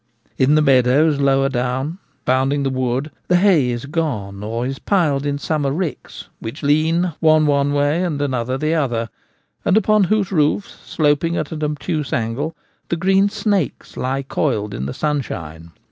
In the meadows lower down, bounding the wood, the hay is gone or is piled in summer ricks, which lean one one way and another the other, and upon whose roofs, sloping at an obtuse angle, the green snakes lie coiled in the sunshine.